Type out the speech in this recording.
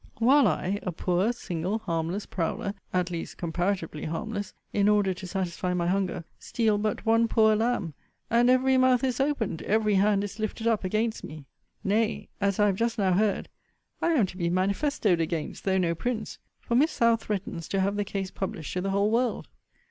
While I, a poor, single, harmless prowler; at least comparatively harmless; in order to satisfy my hunger, steal but one poor lamb; and every mouth is opened, every hand is lifted up, against me. Nay, as I have just now heard, I am to be manifestoed against, though no prince: for Miss Howe threatens to have the case published to the whole world.